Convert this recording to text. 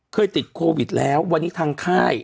เคยติดโควิดแล้ววันนี้ทางค่าย